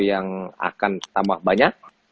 yang akan tambah banyak